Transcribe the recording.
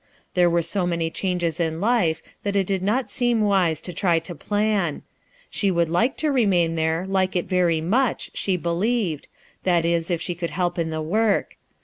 There were so many changes in life that it did not seem wise to try to plan. She should like to remain there, like it very much, she believed ; that is, if she could help in the work.